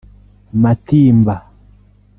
Matimba